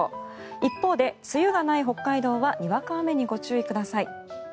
一方で、梅雨がない北海道はにわか雨にご注意ください。